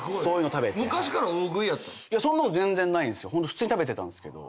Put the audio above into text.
普通に食べてたんすけど。